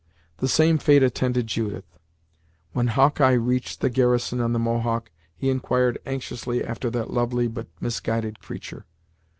The same fate attended Judith. When Hawkeye reached the garrison on the Mohawk he enquired anxiously after that lovely but misguided creature.